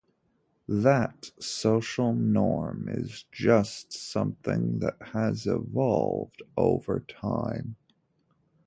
That social norm is just something that has evolved over time.